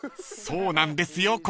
［そうなんですよ